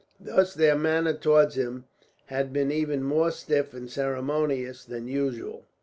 Thus their manner towards him had been even more stiff and ceremonious than usual.